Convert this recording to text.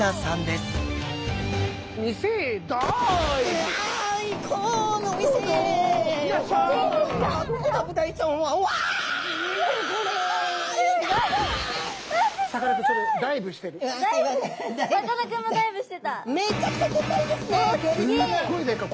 すっごいでかい。